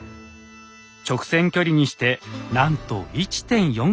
直線距離にしてなんと１．４ｋｍ。